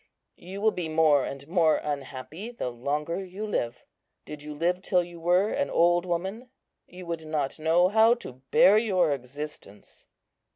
You will be more and more unhappy the longer you live. Did you live till you were an old woman, you would not know how to bear your existence."